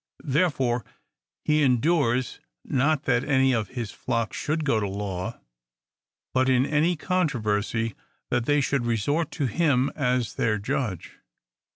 Therefore he endures not that any of his flock should go to law ; but, in any controversy, that they should resort to him as their judge.